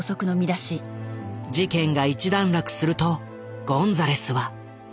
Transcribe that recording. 事件が一段落するとゴンザレスは。